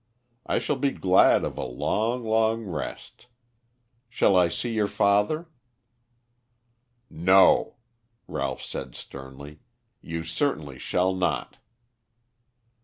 I shall be glad of a long, long rest. Shall I see your father?" "No," Ralph said sternly. "You certainly shall not."